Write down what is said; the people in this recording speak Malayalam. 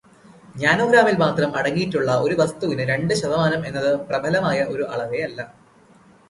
നാനോഗ്രാമിൽ മാത്രം അടങ്ങിയിട്ടുള്ള ഒരു വസ്തുവിന്റെ രണ്ടു ശതമാനം എന്നത് പ്രബലമായ ഒരു അളവേയല്ല.